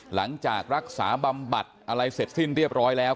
หลังจากรักษาบำบัดอะไรเสร็จสิ้นเรียบร้อยแล้ว